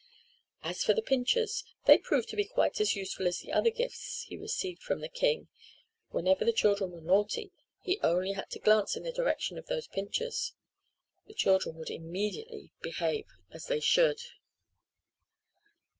As for the pinchers, they proved to be quite as useful as the other gifts he received from the king. Whenever the children were naughty he had only to glance in the direction of those pinchers. The children would immediately behave as they should.